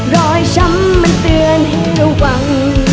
รอยช้ำมันเตือนให้ระวัง